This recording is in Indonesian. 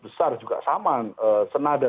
besar juga sama senada